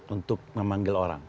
untuk memanggil orang